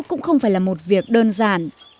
cũng không phải là một việc đơn giản